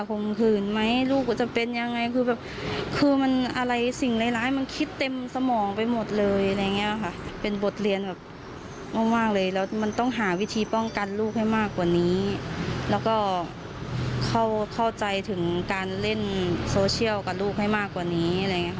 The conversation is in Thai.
เข้าใจถึงการเล่นโซเชียลกับลูกให้มากกว่านี้